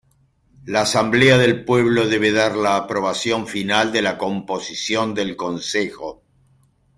La Asamblea del Pueblo debe dar la aprobación final de la composición del Consejo.